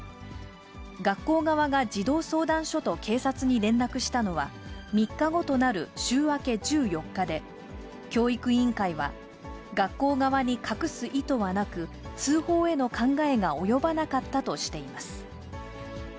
学校側が児童相談所と警察に連絡したのは、３日後となる週明け１４日で、教育委員会は、学校側に隠す意図はなく、通報への考えが及ばなかったとしています。